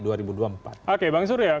oke bang suria